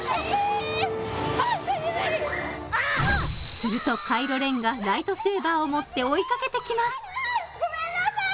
するとカイロ・レンがライトセーバーを持って追いかけてきますごめんなさい！